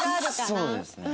そうですね。